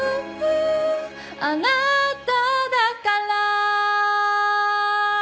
「ウあなただから」